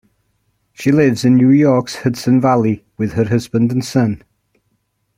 She lives in New York's Hudson Valley with her husband and son.